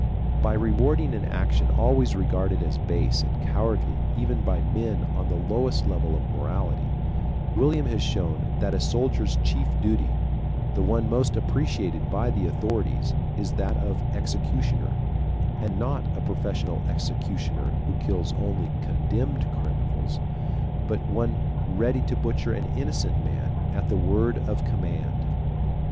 By rewarding an action always regarded as base and cowardly even by men on the lowest level of morality, William has shown that a soldier's chief duty the one most appreciated by the authorities is that of executioner; and not a professional executioner who kills only condemned criminals, but one ready to butcher any innocent man at the word of command.